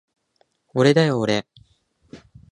おれだよおれ